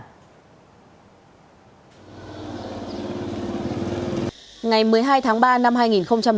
công an thành phố con tôm